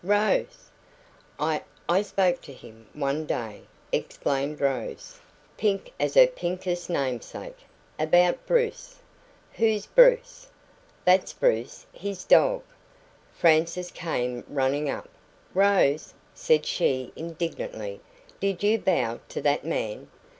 "Rose!" "I I spoke to him one day," explained Rose, pink as her pinkest namesake. "About Bruce." "Who's Bruce?" "That's Bruce his dog." Frances came running up. "Rose," said she indignantly, "did you bow to that man?"